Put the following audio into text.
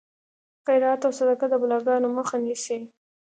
خیرات او صدقه د بلاګانو مخه نیسي.